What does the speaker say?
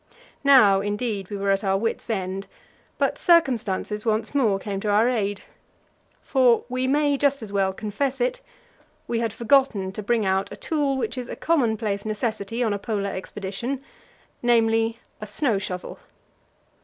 Now, indeed, we were at our wits' end, but circumstances once more came to our aid. For we may just as well confess it: we had forgotten to bring out a tool which is a commonplace necessity on a Polar expedition namely, a snow shovel.